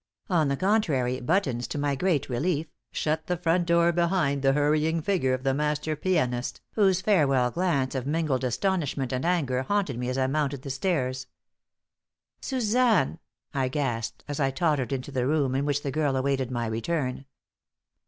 On the contrary, Buttons, to my great relief, shut the front door behind the hurrying figure of the master pianist, whose farewell glance of mingled astonishment and anger haunted me as I mounted the stairs. "Suzanne!" I gasped, as I tottered into the room in which the girl awaited my return.